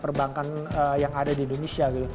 perbankan yang ada di indonesia gitu